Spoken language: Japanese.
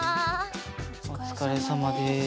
おつかれさまです。